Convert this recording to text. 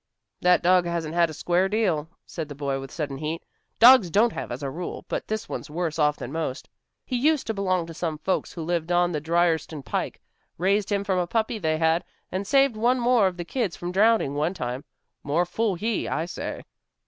"That dog hasn't had a square deal," said the boy with sudden heat. "Dogs don't have as a rule, but this one's worse off than most. He used to belong to some folks who lived on the Drierston pike, raised him from a puppy they had, and he saved one of the kids from drowning, one time. More fool he, I say."